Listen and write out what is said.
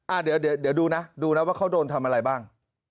อ่ะเดี๋ยวดูนะดูนะว่าเขาโดนทำอะไรบ้าง